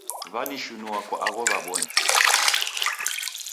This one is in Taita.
Wanishinua kwa agho wabonya.